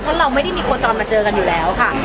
เพราะเราไม่ได้มีโคจรมาเจอกันอยู่แล้วค่ะ